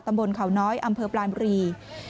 ตำบลขาวน้อยอำเภอปลานบุรี